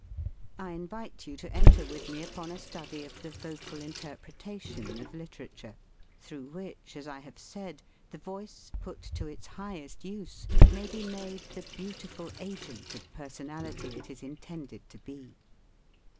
I invite you to enter with me upon a study of the vocal interpretation of literature, through which, as I have said, the voice, put to its highest use, may be made the beautiful agent of personality it is intended to be.